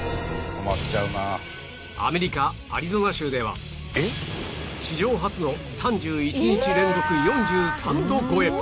アメリカアリゾナ州では史上初の３１日連続４３度超え